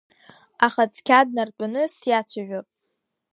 Аха цқьа днартәаны сиацәажәап!